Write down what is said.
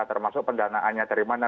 termasuk pendanaannya dari mana